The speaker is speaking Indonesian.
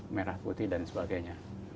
merah putih dan sebagainya